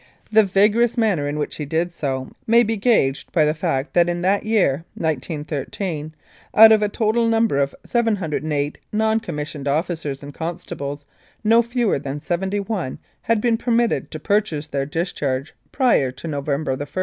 The vigorous manner in which he did so may be gauged by the fact that in that year, 1913, out of a total number of 708 non commissioned officers and constables no fewer than 71 had been permitted to purchase their discharge prior to November i.